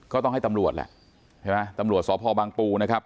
ก็ต้องให้ตำรวจแหละใช่ไหมตำรวจสพบังปูนะครับ